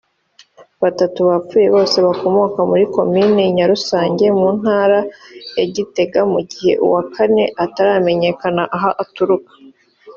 Batatu bapfuye bose bakomoka muri Komine Nyarusange mu Ntara ya Gitega mu gihe uwa Kane ataramenyakana aho aturuka